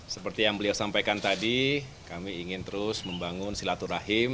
seperti yang beliau sampaikan tadi kami ingin terus membangun silaturahim